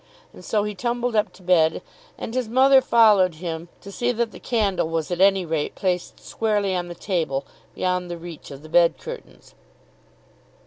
And so he stumbled up to bed, and his mother followed him to see that the candle was at any rate placed squarely on the table, beyond the reach of the bed curtains.